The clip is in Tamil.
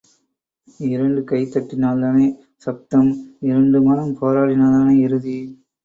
இரண்டு கைதட்டினால் தானே சப்தம் இரண்டு மனம் போராடினால் தானே இறுதி.